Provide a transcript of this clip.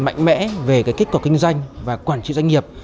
mạnh mẽ về kết quả kinh doanh và quản trị doanh nghiệp